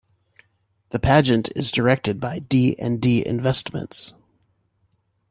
The pageant is directed by D and D Investments.